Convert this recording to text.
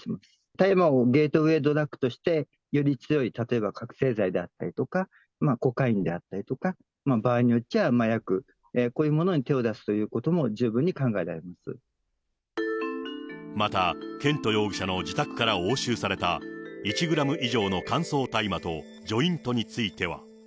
大麻をゲートウエードラッグとして、より強い、例えば覚醒剤であったりとか、コカインであったりとか、場合によっちゃあ麻薬、こういうものに手を出すということも十分また、絢斗容疑者の自宅から押収された、１グラム以上の乾燥大麻とジョイントについては。